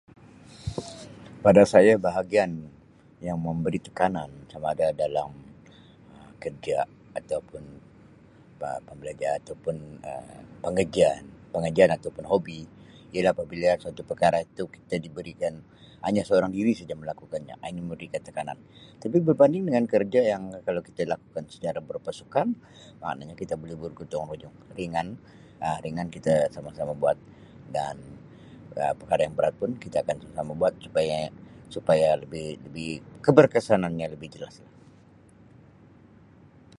Pada saya bahagian yang memberi tekanan sama ada dalam Um kerja atau pun pa-pambelajar atau pun Um pengajian, pengajian atau pun hobi. Jadi apabila satu perkara itu kita diberikan hanya seorang diri seja melakukannya Um ini memberikan tekanan tapi berbanding dengan kerja yang Um kalau kita lakukan secara berpasukan maknanya kita boleh bergotong royong ringan Um ringan kita sama-sama buat dan Um paling berat pun kita akan sama-sama buat supaya-supaya lebih-lebih keberkesanannya lebih jelaslah.